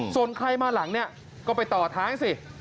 ส่วนใครมาหลังก็ไปต่อทางสิ